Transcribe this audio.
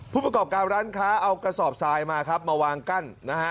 ผู้ประกอบการร้านค้าเอากระสอบทรายมาครับมาวางกั้นนะฮะ